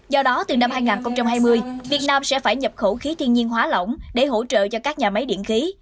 do đó từ năm hai nghìn hai mươi việt nam sẽ phải nhập khẩu khí thiên nhiên hóa lỏng để hỗ trợ cho các nhà máy điện khí